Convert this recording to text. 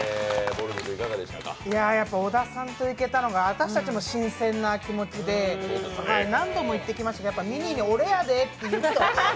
小田さんと一緒に行けたのが私たちも新鮮な気持ちで何度も行きましたけどミニーに「俺やで」って人は。